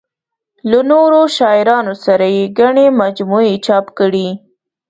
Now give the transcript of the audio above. له نورو شاعرانو سره یې ګڼې مجموعې چاپ کړې.